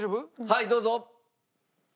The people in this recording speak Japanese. はいどうぞ！